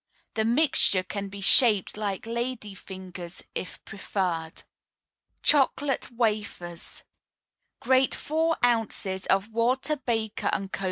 The mixture can be shaped like lady fingers, if preferred. CHOCOLATE WAFERS Grate four ounces of Walter Baker & Co.'